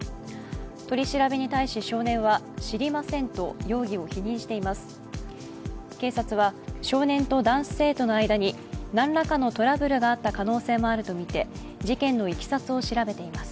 取り調べに対し少年は知りませんと容疑を否認しています。